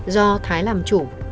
do thái làm chủ